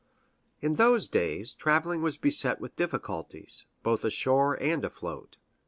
In those days, traveling was beset with difficulties, both ashore and afloat.